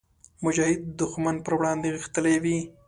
مجاهد د ښمن پر وړاندې غښتلی وي.